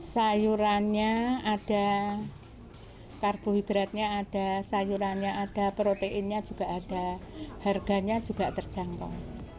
sayurannya ada karbohidratnya ada sayurannya ada proteinnya juga ada harganya juga terjangkau